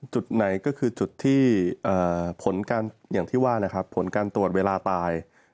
จุดไหนก็คืออย่างที่ว่าผลการตรวจเวลาตาย